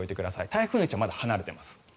台風の位置はまだ離れています。